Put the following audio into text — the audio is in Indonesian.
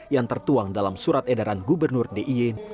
yang tertuang dalam surat edaran gubernur diin